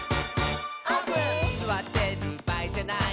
「すわってるばあいじゃない」